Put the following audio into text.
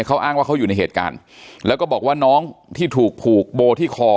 เขาอ้างว่าเขาอยู่ในเหตุการณ์แล้วก็บอกว่าน้องที่ถูกผูกโบที่คอ